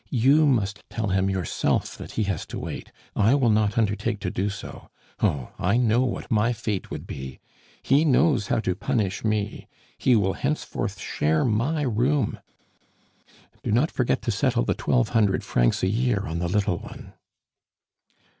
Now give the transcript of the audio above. You must tell him yourself that he has to wait. I will not undertake to do so. Oh! I know what my fate would be. He knows how to punish me! He will henceforth share my room "Do not forget to settle the twelve hundred francs a year on the little one!"